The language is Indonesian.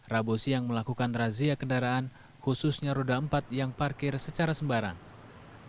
rabu siang melakukan razia kendaraan khususnya roda empat yang parkir secara sembarangan